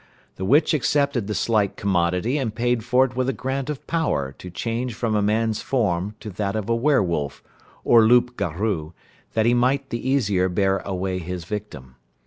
The witch accepted the slight commodity and paid for it with a grant of power to change from a man's form to that of a were wolf, or loup garou, that he might the easier bear away his victim.